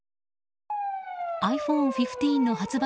ｉＰｈｏｎｅ１５の発売